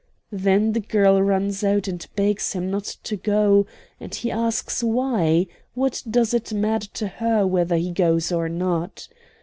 Then the girl runs out and begs him not to go; and he asks why, what does it matter to her whether he goes or not?